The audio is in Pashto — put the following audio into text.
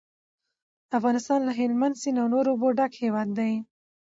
افغانستان له هلمند سیند او نورو اوبو ډک هیواد دی.